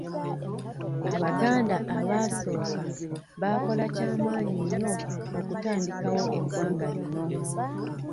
Abaganda abaasooka baakola kya maanyi nnyo okutandikawo eggwanga lino.